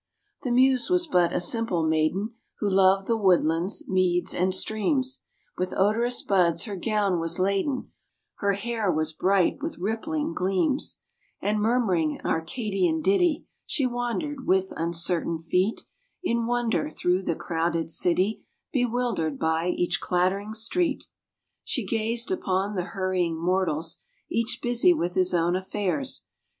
The Muse was but a simple maiden, Who loved the woodlands, meads and streams, With odorous buds her gown was laden, Her hair was bright with rippling gleams; And murmuring an Arcadian ditty, She wandered, with uncertain feet, In wonder, through the crowded city, Bewildered by each clattering street. She gazed upon the hurrying mortals, Each busy with his own affairs.